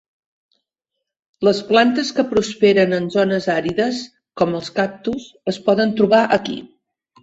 Les plantes que prosperen en zones àrides, com els cactus, es poden trobar aquí.